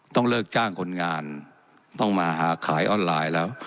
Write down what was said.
เลิกจ้างคนงานต้องมาหาขายออนไลน์แล้ว